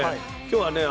今日はね